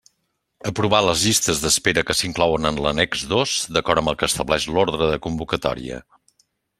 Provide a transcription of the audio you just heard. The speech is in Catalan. Aprovar les llistes d'espera que s'inclouen en l'Annex dos d'acord amb el que estableix l'ordre de convocatòria.